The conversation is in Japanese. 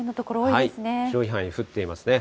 広い範囲に降っていますね。